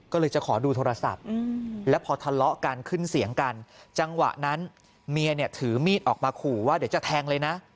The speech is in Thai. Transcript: ก็เลยจะขอดูโทรศัพท์แล้วพอทะเลาะกันขึ้นเสียงกันจังหวะนั้นเมียเนี่ยถือมีดออกมาขู่ว่าเดี๋ยวจะแทงเลยนะ